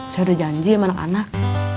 saya udah janji sama anak anak